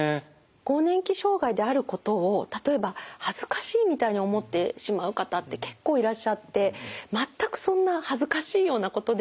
更年期障害であることを例えば恥ずかしいみたいに思ってしまう方って結構いらっしゃって全くそんな恥ずかしいようなことではないんですね。